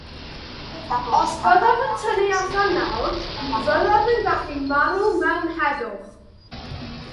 Os byddaf yn tynnu allan nawr, ni fyddaf yn gallu marw mewn heddwch.